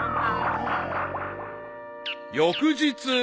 ［翌日］